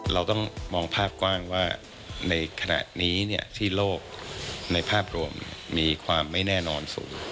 เราต้องมองภาพกว้างว่าในขณะนี้ที่โลกในภาพรวมมีความไม่แน่นอนสูง